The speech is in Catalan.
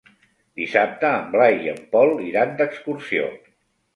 Dissabte en Blai i en Pol iran d'excursió.